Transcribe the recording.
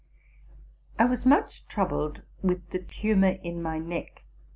Iwas much troubled with the tumor in my neck.